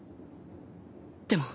でも